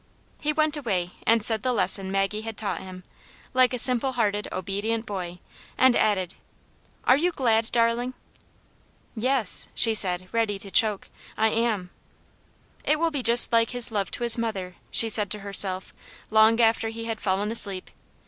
He went away and said the lesson Maggie had taught him, like a simple hearted, obedient boy; and added, "Are you glad, darling .?"" Yes," she said, ready to choke, " I am." " It will be just like his love to his mother," she said to herself, long after he had fallen asleep.